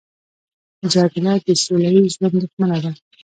جګړه د سوله ییز ژوند دښمنه ده